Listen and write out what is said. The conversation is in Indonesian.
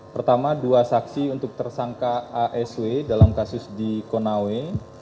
pertama dua saksi untuk tersangka asw dalam kasus di konawe